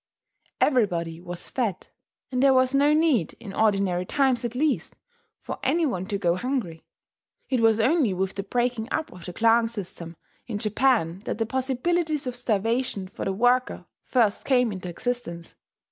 Everybody was fed; and there was no need, in ordinary times at least, for any one to go hungry. It was only with the breaking up of the clan system in Japan that the possibilities of starvation for the worker first came into existence.